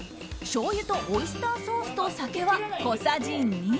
しょうゆとオイスターソースと酒は小さじ２。